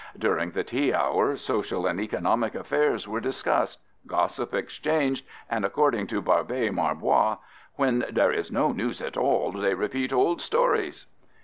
During the tea hour social and economic affairs were discussed, gossip exchanged, and, according to Barbé Marbois, "when there is no news at all, they repeat old stories."